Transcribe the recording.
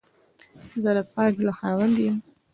زه د پاک زړه خاوند یم.